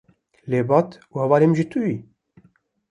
lebat û hevalê min jî tu yî?